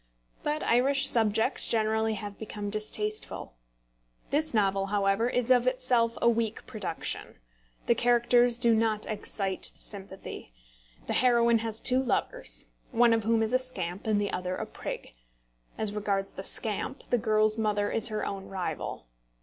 But Irish subjects generally have become distasteful. This novel, however, is of itself a weak production. The characters do not excite sympathy. The heroine has two lovers, one of whom is a scamp and the other a prig. As regards the scamp, the girl's mother is her own rival.